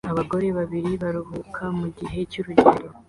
Abagore babiri baruhuka mugihe cy'urugendo